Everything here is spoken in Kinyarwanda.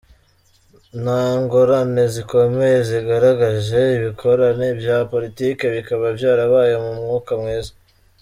Nta ngorane zikomeye zigaragaje, ibikorane vya politike bikaba vyarabaye mu mwuka mwiza.